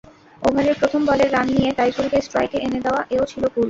ওভারের প্রথম বলে রান নিয়ে তাইজুলকে স্ট্রাইকে এনে দেওয়া—এ–ও ছিল ভুল।